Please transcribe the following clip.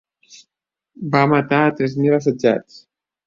Va matar a tres mil assetjats.